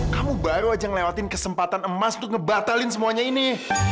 kamu baru aja ngelewatin kesempatan emas untuk ngebatalin semuanya ini